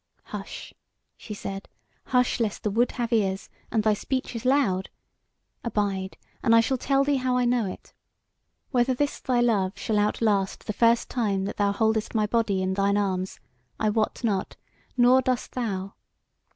"Hush," she said, "hush! lest the wood have ears, and thy speech is loud: abide, and I shall tell thee how I know it. Whether this thy love shall outlast the first time that thou holdest my body in thine arms, I wot not, nor dost thou.